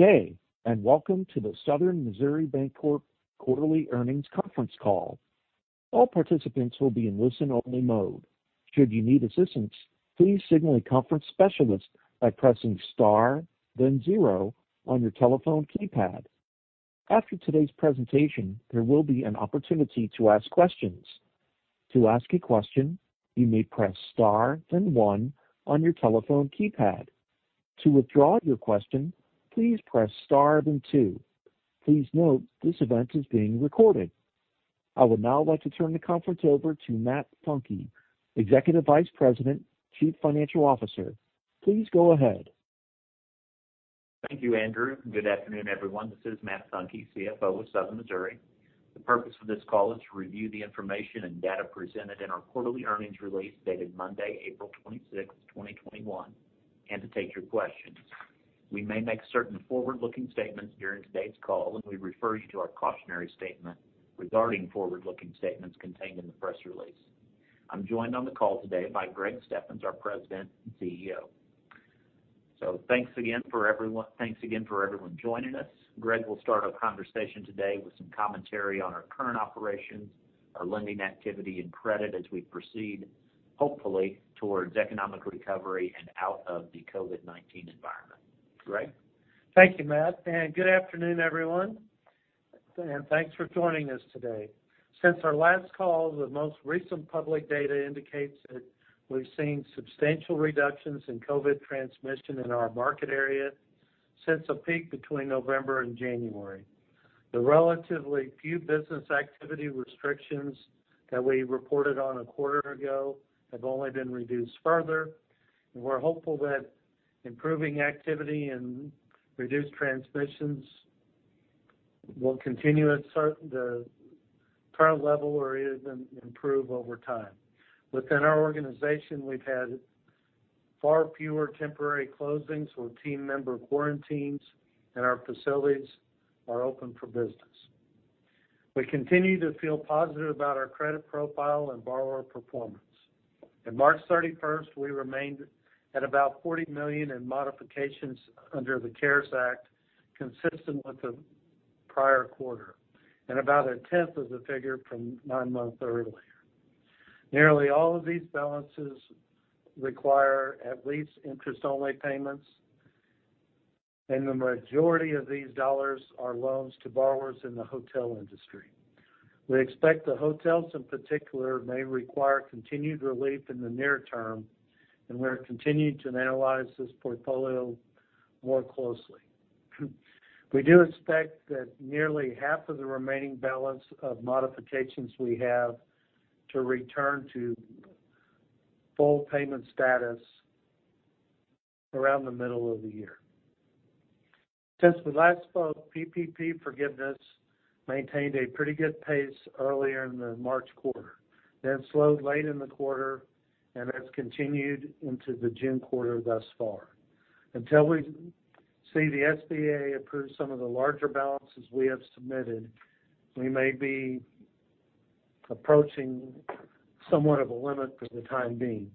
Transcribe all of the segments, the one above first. Good day, and welcome to the Southern Missouri Bancorp quarterly earnings conference call. All participants will be in listen-only mode. Should you need assistance, please signal a conference specialist by pressing star then zero on your telephone keypad. After today's presentation, there will be an opportunity to ask questions. To ask a question, you may press star then one on your telephone keypad. To withdraw your question, please press star then two. Please note, this event is being recorded. I would now like to turn the conference over to Matt Funke, Executive Vice President, Chief Financial Officer. Please go ahead. Thank you, Andrew. Good afternoon, everyone. This is Matt Funke, CFO of Southern Missouri. The purpose of this call is to review the information and data presented in our quarterly earnings release dated Monday, April 26th, 2021, and to take your questions. We may make certain forward-looking statements during today's call, and we refer you to our cautionary statement regarding forward-looking statements contained in the press release. I'm joined on the call today by Greg Steffens, our President and CEO. Thanks again for everyone joining us. Greg will start our conversation today with some commentary on our current operations, our lending activity, and credit as we proceed, hopefully, towards economic recovery and out of the COVID-19 environment. Greg? Thank you, Matt, and good afternoon, everyone. Thanks for joining us today. Since our last call, the most recent public data indicates that we've seen substantial reductions in COVID transmission in our market area since a peak between November and January. The relatively few business activity restrictions that we reported on a quarter ago have only been reduced further, and we're hopeful that improving activity and reduced transmissions will continue at the current level or even improve over time. Within our organization, we've had far fewer temporary closings or team member quarantines, and our facilities are open for business. We continue to feel positive about our credit profile and borrower performance. At March 31st, we remained at about $40 million in modifications under the CARES Act, consistent with the prior quarter, and about 1/10 of the figure from nine months earlier. Nearly all of these balances require at least interest-only payments, and the majority of these dollars are loans to borrowers in the hotel industry. We expect the hotels in particular may require continued relief in the near term, and we're continuing to analyze this portfolio more closely. We do expect that nearly half of the remaining balance of modifications we have to return to full payment status around the middle of the year. Since the last call, PPP forgiveness maintained a pretty good pace earlier in the March quarter, then slowed late in the quarter and has continued into the June quarter thus far. Until we see the SBA approve some of the larger balances we have submitted, we may be approaching somewhat of a limit for the time being.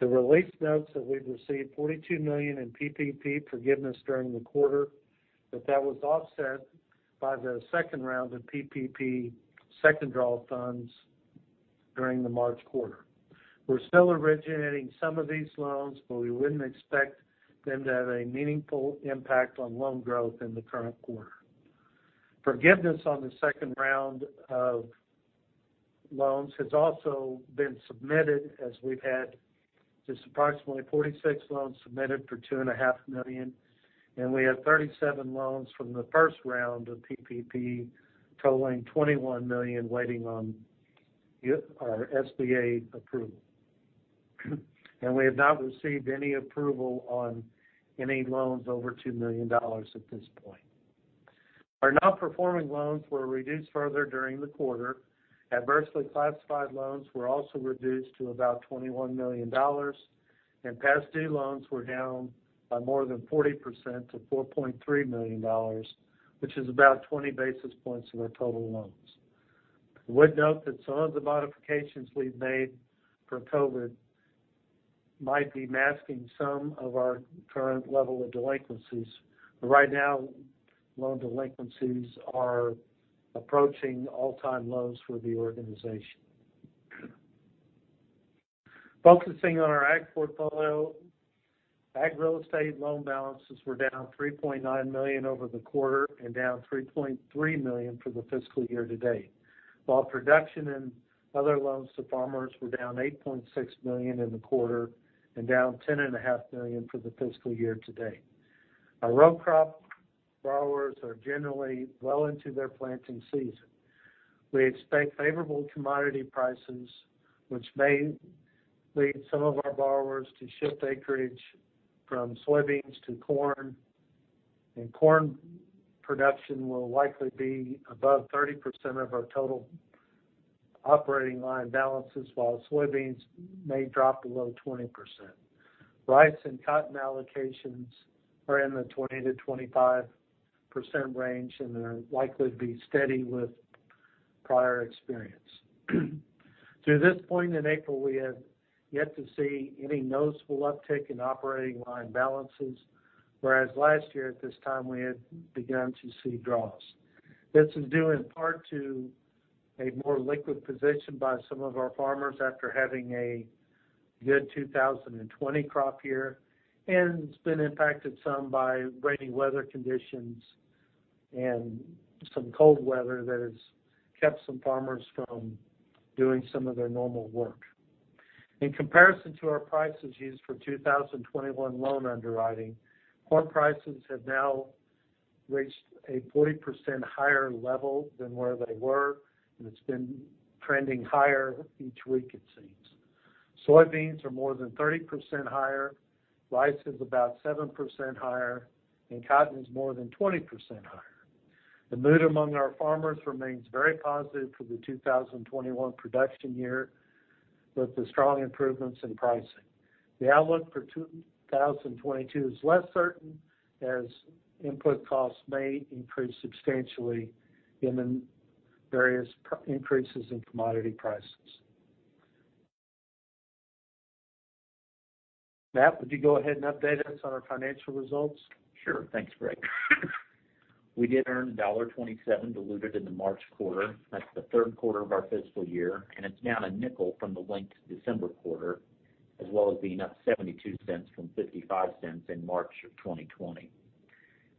The release notes that we've received $42 million in PPP forgiveness during the quarter, but that was offset by the second round of PPP second draw funds during the March quarter. We're still originating some of these loans. We wouldn't expect them to have a meaningful impact on loan growth in the current quarter. Forgiveness on the second round of loans has also been submitted as we've had just approximately 46 loans submitted for $2.5 million. We have 37 loans from the first round of PPP totaling $21 million waiting on our SBA approval. We have not received any approval on any loans over $2 million at this point. Our non-performing loans were reduced further during the quarter. Adversely classified loans were also reduced to about $21 million. Past due loans were down by more than 40% to $4.3 million, which is about 20 basis points of our total loans. I would note that some of the modifications we've made for COVID-19 might be masking some of our current level of delinquencies. Right now, loan delinquencies are approaching all-time lows for the organization. Focusing on our ag portfolio, ag real estate loan balances were down $3.9 million over the quarter and down $3.3 million for the fiscal year-to-date. While production and other loans to farmers were down $8.6 million in the quarter and down $10.5 million for the fiscal year-to-date. Our row crop borrowers are generally well into their planting season. We expect favorable commodity prices, which may lead some of our borrowers to shift acreage from soybeans to corn, and corn production will likely be above 30% of our total operating line balances while soybeans may drop below 20%. Rice and cotton allocations are in the 20%-25% range and are likely to be steady with prior experience. Through this point in April, we have yet to see any noticeable uptick in operating line balances, whereas last year at this time, we had begun to see draws. This is due in part to a more liquid position by some of our farmers after having a good 2020 crop year, and it's been impacted some by rainy weather conditions and some cold weather that has kept some farmers from doing some of their normal work. In comparison to our prices used for 2021 loan underwriting, corn prices have now reached a 40% higher level than where they were, and it's been trending higher each week, it seems. Soybeans are more than 30% higher, rice is about 7% higher, and cotton is more than 20% higher. The mood among our farmers remains very positive for the 2021 production year with the strong improvements in pricing. The outlook for 2022 is less certain, as input costs may increase substantially in the various increases in commodity prices. Matt, would you go ahead and update us on our financial results? Sure. Thanks, Greg. We did earn $1.27 diluted in the March quarter. That's the third quarter of our fiscal year, and it's down $0.05 from the linked December quarter, as well as being up $0.72 from $0.55 in March of 2020.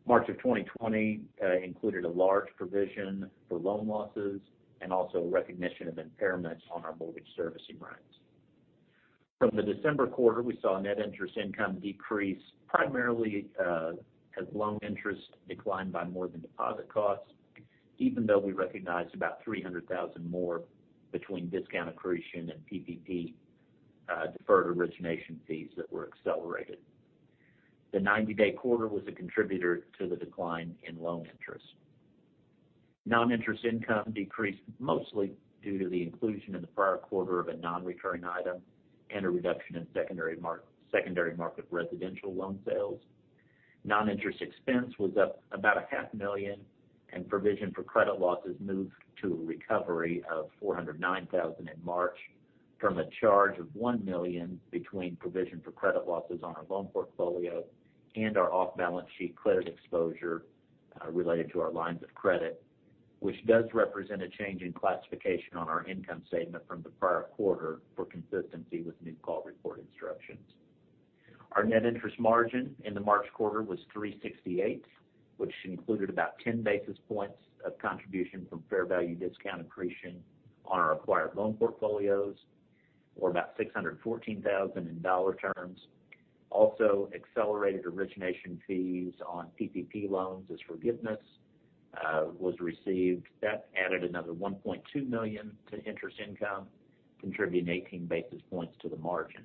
March of 2020 included a large provision for loan losses and also a recognition of impairments on our mortgage servicing rights. From the December quarter, we saw net interest income decrease primarily as loan interest declined by more than deposit costs, even though we recognized about $300,000 more between discount accretion and PPP deferred origination fees that were accelerated. The 90-day quarter was a contributor to the decline in loan interest. Non-interest income decreased mostly due to the inclusion in the prior quarter of a non-recurring item and a reduction in secondary market residential loan sales. Non-interest expense was up about $500,000, and provision for credit losses moved to a recovery of $409,000 in March from a charge of $1 million between provision for credit losses on our loan portfolio and our off-balance-sheet credit exposure related to our lines of credit, which does represent a change in classification on our income statement from the prior quarter for consistency with new call report instructions. Our net interest margin in the March quarter was 3.68%, which included about 10 basis points of contribution from fair value discount accretion on our acquired loan portfolios, or about $614,000 in dollar terms. Accelerated origination fees on PPP loans as forgiveness was received. That added another $1.2 million to interest income, contributing 18 basis points to the margin.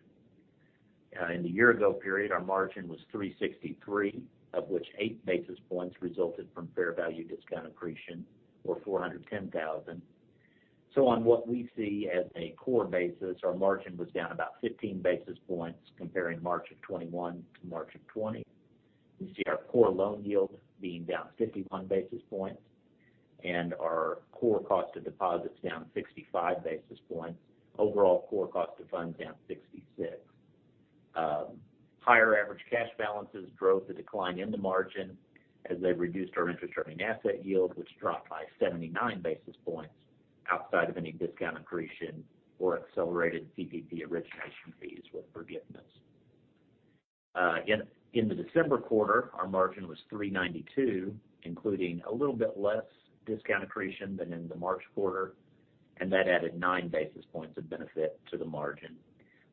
In the year ago period, our margin was 3.63%, of which eight basis points resulted from fair value discount accretion, or $410,000. On what we see as a core basis, our margin was down about 15 basis points comparing March of 2021 to March of 2020. You see our core loan yield being down 51 basis points and our core cost of deposits down 65 basis points. Overall core cost of funds down 66 basis points. Higher average cash balances drove the decline in the margin as they reduced our interest-earning asset yield, which dropped by 79 basis points outside of any discount accretion or accelerated PPP origination fees with forgiveness. In the December quarter, our margin was 3.92%, including a little bit less discount accretion than in the March quarter, and that added nine basis points of benefit to the margin.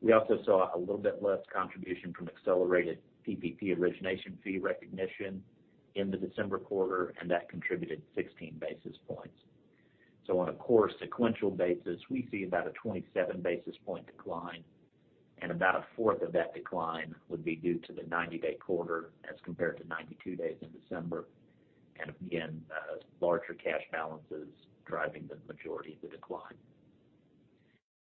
We also saw a little bit less contribution from accelerated PPP origination fee recognition in the December quarter, and that contributed 16 basis points. On a core sequential basis, we see about a 27 basis point decline, and about a fourth of that decline would be due to the 90-day quarter as compared to 92 days in December. Again, larger cash balances driving the majority of the decline.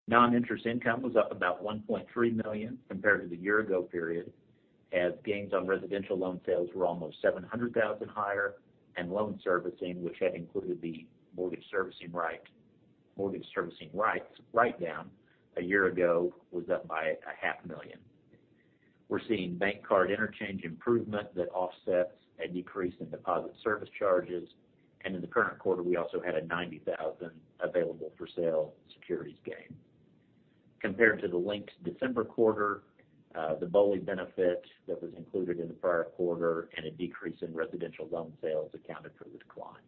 Non-interest income was up about $1.3 million compared to the year ago period, as gains on residential loan sales were almost $700,000 higher, and loan servicing, which had included the mortgage servicing write-down a year ago, was up by $500,000. We're seeing bank card interchange improvement that offsets a decrease in deposit service charges. In the current quarter, we also had a $90,000 available-for-sale securities gain. Compared to the linked December quarter, the BOLI benefit that was included in the prior quarter and a decrease in residential loan sales accounted for the decline.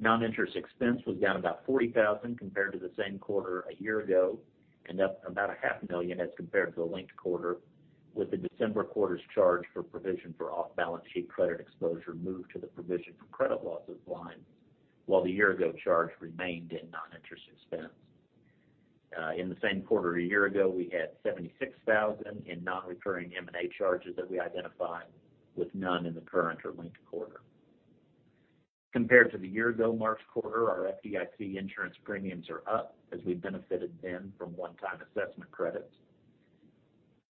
Non-interest expense was down about $40,000 compared to the same quarter a year ago, and up about $500,000 as compared to the linked quarter, with the December quarter's charge for provision for off-balance sheet credit exposure moved to the provision for credit losses line, while the year-ago charge remained in non-interest expense. In the same quarter a year ago, we had $76,000 in non-recurring M&A charges that we identified, with none in the current or linked quarter. Compared to the year-ago March quarter, our FDIC insurance premiums are up as we benefited then from one-time assessment credits.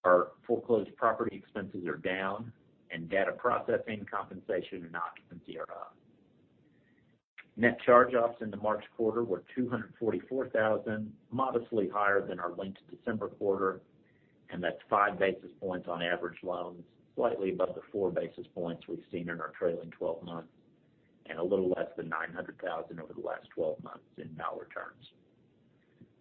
Our foreclosed property expenses are down, and data processing, compensation, and occupancy are up. Net charge-offs in the March quarter were $244,000, modestly higher than our linked December quarter, and that's five basis points on average loans, slightly above the four basis points we've seen in our trailing 12 months, and a little less than $900,000 over the last 12 months in dollar terms.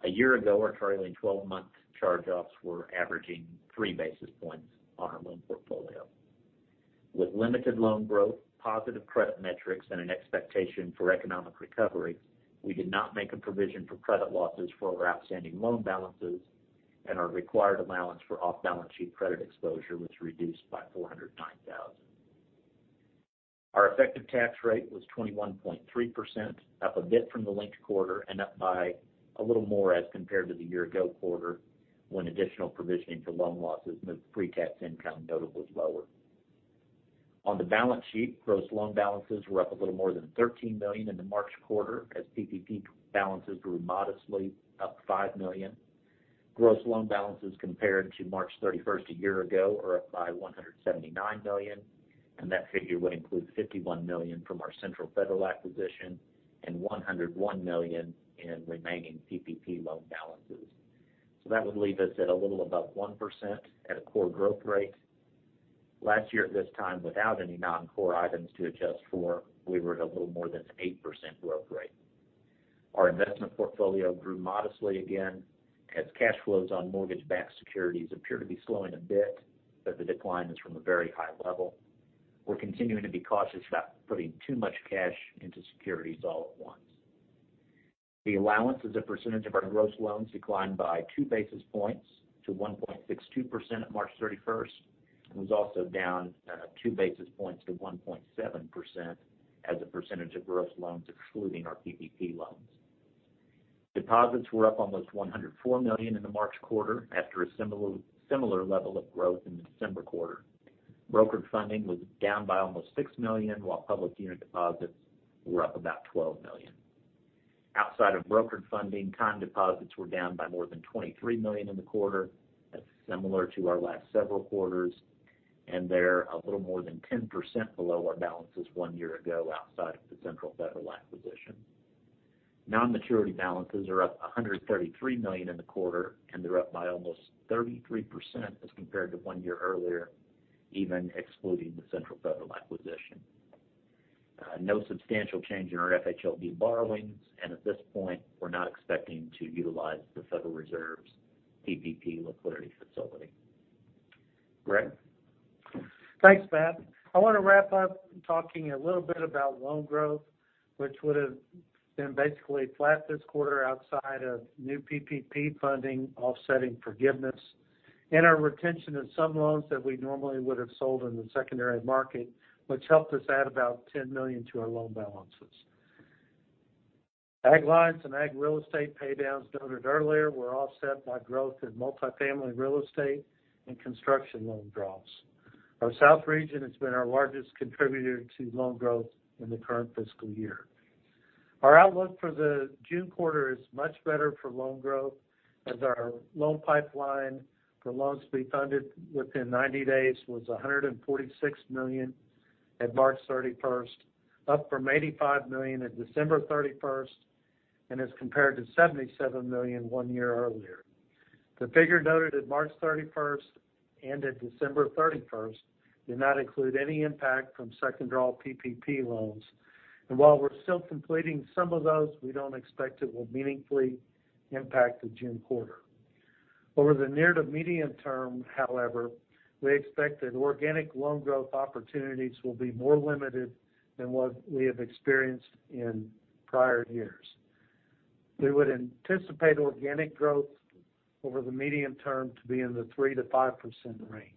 A year ago, our trailing 12-month charge-offs were averaging three basis points on our loan portfolio. With limited loan growth, positive credit metrics, and an expectation for economic recovery, we did not make a provision for credit losses for our outstanding loan balances, and our required allowance for off-balance-sheet credit exposure was reduced by $409,000. Our effective tax rate was 21.3%, up a bit from the linked quarter and up by a little more as compared to the year-ago quarter, when additional provisioning for loan losses made pre-tax income notably lower. On the balance sheet, gross loan balances were up a little more than $13 million in the March quarter as PPP balances grew modestly, up $5 million. Gross loan balances compared to March 31st a year ago are up by $179 million. That figure would include $51 million from our Central Federal acquisition and $101 million in remaining PPP loan balances. That would leave us at a little above 1% at a core growth rate. Last year at this time, without any non-core items to adjust for, we were at a little more than an 8% growth rate. Our investment portfolio grew modestly again as cash flows on mortgage-backed securities appear to be slowing a bit, but the decline is from a very high level. We're continuing to be cautious about putting too much cash into securities all at once. The allowance as a percentage of our gross loans declined by two basis points to 1.62% at March 31st and was also down two basis points to 1.7% as a percentage of gross loans, excluding our PPP loans. Deposits were up almost $104 million in the March quarter after a similar level of growth in the December quarter. Brokered funding was down by almost $6 million, while public unit deposits were up about $12 million. Outside of brokered funding, time deposits were down by more than $23 million in the quarter. That's similar to our last several quarters, and they're a little more than 10% below our balances one year ago outside of the Central Federal acquisition. Non-maturity balances are up $133 million in the quarter, and they're up by almost 33% as compared to one year earlier, even excluding the Central Federal acquisition. No substantial change in our FHLB borrowings. At this point, we're not expecting to utilize the Federal Reserve's PPP liquidity facility. Greg? Thanks, Matt. I want to wrap up talking a little bit about loan growth, which would've been basically flat this quarter outside of new PPP funding offsetting forgiveness and our retention of some loans that we normally would have sold in the secondary market, which helped us add about $10 million to our loan balances. Ag lines and ag real estate paydowns noted earlier were offset by growth in multifamily real estate and construction loan drops. Our South region has been our largest contributor to loan growth in the current fiscal year. Our outlook for the June quarter is much better for loan growth as our loan pipeline for loans to be funded within 90 days was $146 million at March 31st, up from $85 million at December 31st, and as compared to $77 million one year earlier. The figure noted at March 31st and at December 31st did not include any impact from second-draw PPP loans. While we're still completing some of those, we don't expect it will meaningfully impact the June quarter. Over the near to medium term, however, we expect that organic loan growth opportunities will be more limited than what we have experienced in prior years. We would anticipate organic growth over the medium term to be in the 3%-5% range.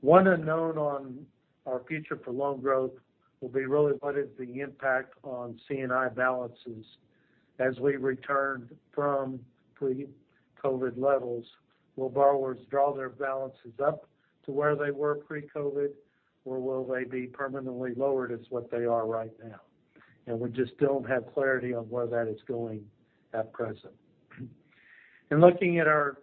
One unknown on our future for loan growth will be really what is the impact on C&I balances as we return from pre-COVID levels. Will borrowers draw their balances up to where they were pre-COVID, or will they be permanently lowered as what they are right now? We just don't have clarity on where that is going at present. In looking at our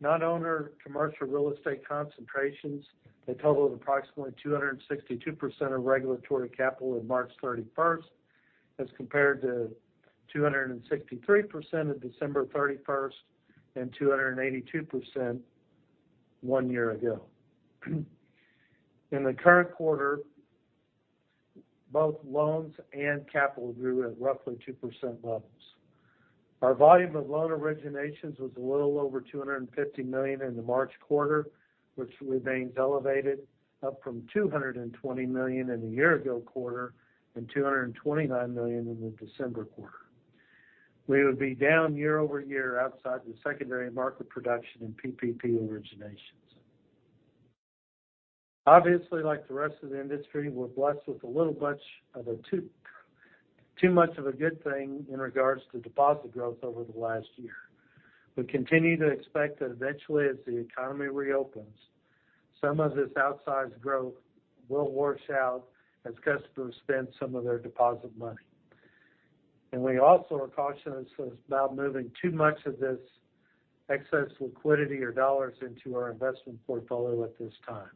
non-owner occupied commercial real estate concentrations, they total approximately 262% of regulatory capital of March 31st, as compared to 263% at December 31st and 282% one year ago. In the current quarter, both loans and capital grew at roughly 2% levels. Our volume of loan originations was a little over $250 million in the March quarter, which remains elevated, up from $220 million in the year-ago quarter and $229 million in the December quarter. We would be down year-over-year outside the secondary market production in PPP originations. Obviously, like the rest of the industry, we're blessed with a little too much of a good thing in regards to deposit growth over the last year. We continue to expect that eventually, as the economy reopens, some of this outsized growth will wash out as customers spend some of their deposit money. We also are cautious about moving too much of this excess liquidity or dollars into our investment portfolio at this time.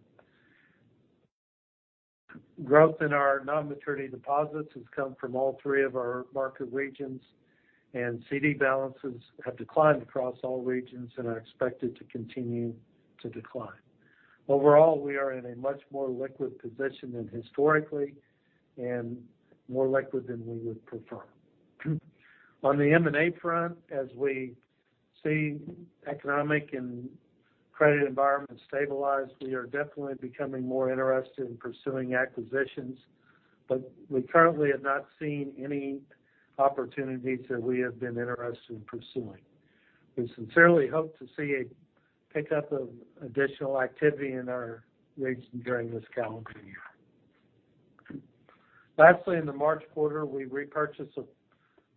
Growth in our non-maturity deposits has come from all three of our market regions, and CD balances have declined across all regions and are expected to continue to decline. Overall, we are in a much more liquid position than historically and more liquid than we would prefer. On the M&A front, as we see economic and credit environment stabilize, we are definitely becoming more interested in pursuing acquisitions, but we currently have not seen any opportunities that we have been interested in pursuing. We sincerely hope to see a pickup of additional activity in our region during this calendar year. Lastly, in the March quarter, we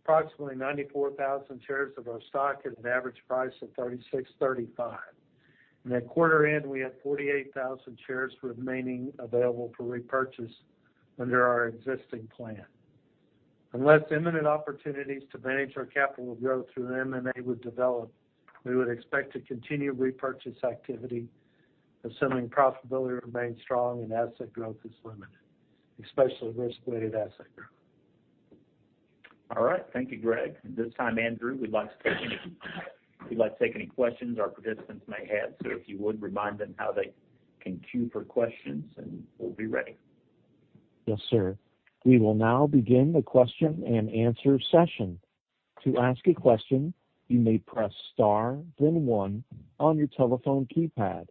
repurchased approximately 94,000 shares of our stock at an average price of $36.35. At quarter end, we had 48,000 shares remaining available for repurchase under our existing plan. Unless imminent opportunities to manage our capital growth through an M&A would develop, we would expect to continue repurchase activity assuming profitability remains strong and asset growth is limited, especially risk-related asset growth. All right. Thank you, Greg. At this time, Andrew, we'd like to take any questions our participants may have. If you would, remind them how they can queue for questions, and we'll be ready. Yes, sir. We will now begin the question and answer session. To ask a question, you may press star then one on your telephone keypad.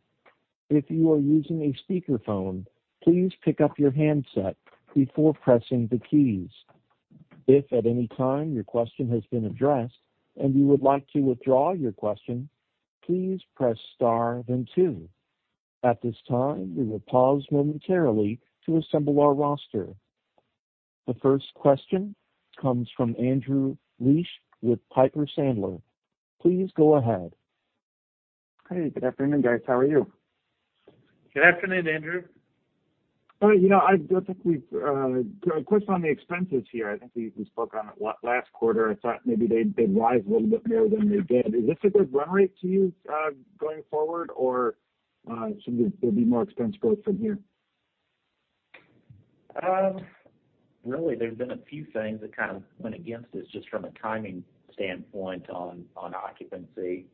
If you are using a speakerphone, please pick up your handset before pressing the keys. If at any time your question has been addressed and you would like to withdraw your question, please press star then two. At this time, we will pause momentarily to assemble our roster. The first question comes from Andrew Liesch with Piper Sandler. Please go ahead. Hey, good afternoon, guys. How are you? Good afternoon, Andrew. A question on the expenses here. I think we spoke on it last quarter. I thought maybe they'd rise a little bit more than they did. Is this a good run rate to you going forward, or should there be more expense growth from here? Really, there's been a few things that kind of went against us just from a timing standpoint on occupancy.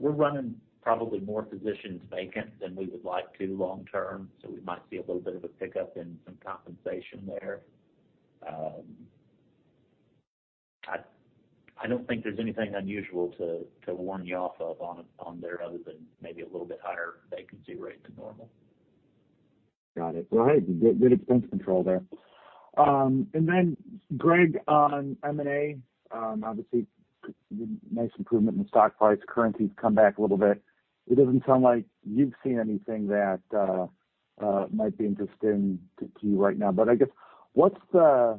We're running probably more positions vacant than we would like to long term. We might see a little bit of a pickup in some compensation there. I don't think there's anything unusual to warn you off of on there, other than maybe a little bit higher vacancy rate than normal. Got it. Well, hey, good expense control there. Greg, on M&A, obviously nice improvement in the stock price. Currency's come back a little bit. It doesn't sound like you've seen anything that might be interesting to you right now, but I guess, are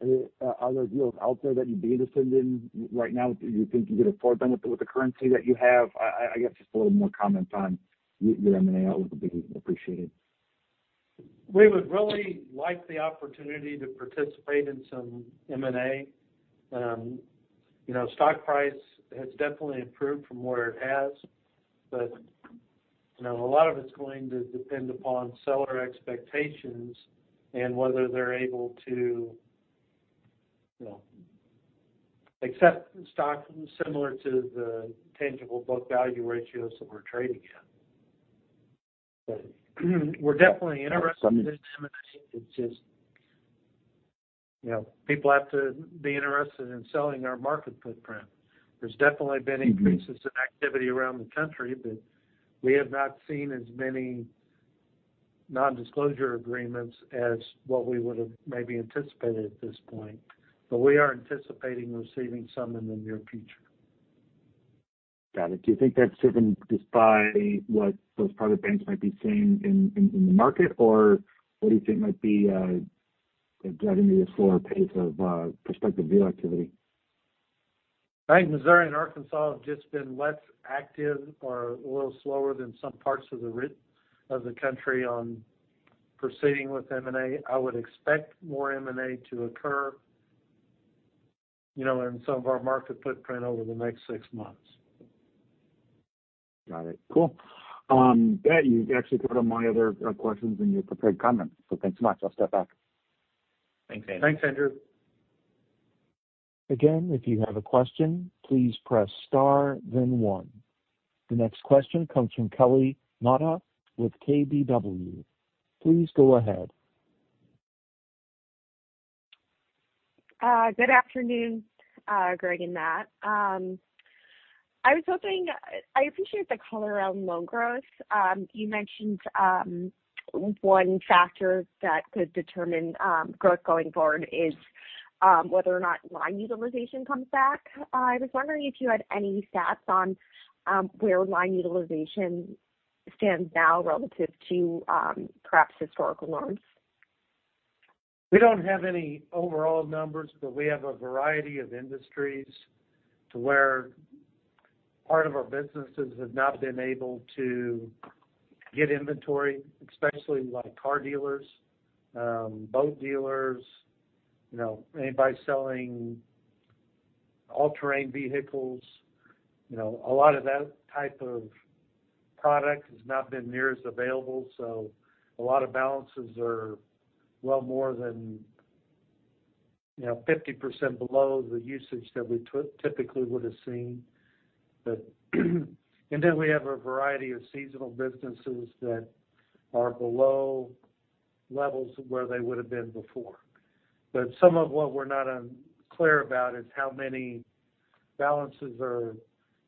there deals out there that you'd be interested in right now that you think you could afford them with the currency that you have? I guess just a little more comment on your M&A would be appreciated. We would really like the opportunity to participate in some M&A. Stock price has definitely improved from where it has, but a lot of it's going to depend upon seller expectations and whether they're able to accept stock similar to the tangible book value ratios that we're trading at. We're definitely interested in M&A, it's just people have to be interested in selling our market footprint. There's definitely been increases in activity around the country, but we have not seen as many nondisclosure agreements as what we would've maybe anticipated at this point. We are anticipating receiving some in the near future. Got it. Do you think that's driven just by what those private banks might be seeing in the market? What do you think might be driving the slower pace of prospective deal activity? I think Missouri and Arkansas have just been less active or a little slower than some parts of the country on proceeding with M&A. I would expect more M&A to occur in some of our market footprint over the next six months. Got it. Cool. Yeah, you actually put on my other questions in your prepared comments, so thanks so much. I'll step back. Thanks, Andrew. Thanks, Andrew. Again, if you have a question, please press star then one. The next question comes from Kelly Motta with KBW. Please go ahead. Good afternoon, Greg and Matt. I appreciate the color around loan growth. You mentioned one factor that could determine growth going forward is whether or not line utilization comes back. I was wondering if you had any stats on where line utilization stands now relative to perhaps historical loans? We don't have any overall numbers. We have a variety of industries to where part of our businesses have not been able to get inventory, especially like car dealers, boat dealers, anybody selling all-terrain vehicles. A lot of that type of product has not been near as available, so a lot of balances are well more than 50% below the usage that we typically would've seen. We have a variety of seasonal businesses that are below levels of where they would've been before. Some of what we're not clear about is how many balances are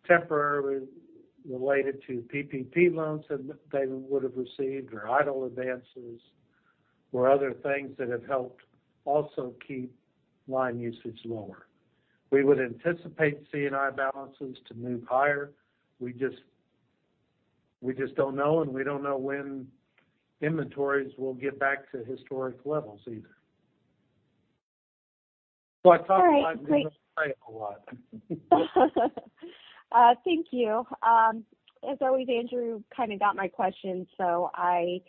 temporarily related to PPP loans that they would've received or EIDL advances or other things that have helped also keep line usage lower. We would anticipate C&I balances to move higher. We just don't know, and we don't know when inventories will get back to historic levels either. I talk about it a lot. Thank you. As always, Andrew kind of got my question, so I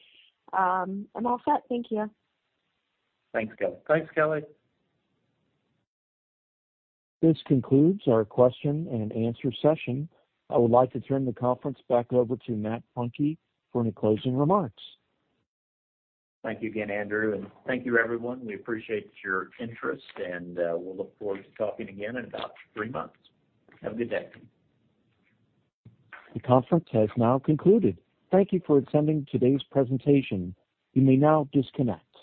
am all set. Thank you. Thanks, Kelly. Thanks, Kelly. This concludes our question and answer session. I would like to turn the conference back over to Matt Funke for any closing remarks. Thank you again, Andrew, and thank you everyone. We appreciate your interest, and we'll look forward to talking again in about three months. Have a good day. The conference has now concluded. Thank you for attending today's presentation. You may now disconnect.